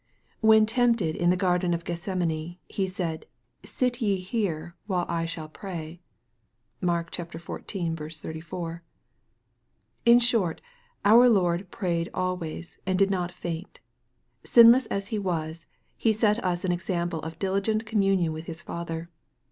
When tempted in the garden of Gethsemane, He said, " Sit ye here, while I shall pray." (Mark xiv. 34.) In short, our Lord prayed always, and did not faint. Sinless as He was, He set us an example of diligent communion with His Father.